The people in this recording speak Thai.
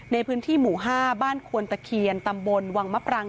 ในพื้นที่หมู่๕บ้านควนตะเคียนตำบลวังมะปรัง